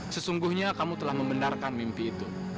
sesungguhnya kamu telah membenarkan mimpi itu